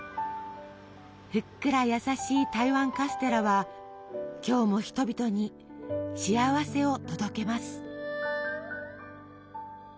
ふっくら優しい台湾カステラは今日も人々に幸せを届けます。